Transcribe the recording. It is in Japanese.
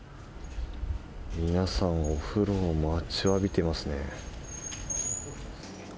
皆さん、お風呂を待ちわびていますね。